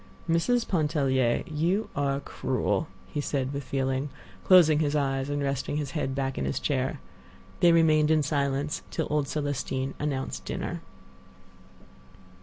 "Mrs. Pontellier, you are cruel," he said, with feeling, closing his eyes and resting his head back in his chair. They remained in silence till old Celestine announced dinner.